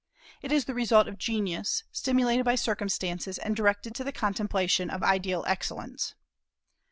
It is the result of genius, stimulated by circumstances and directed to the contemplation of ideal excellence.